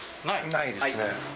ないですね。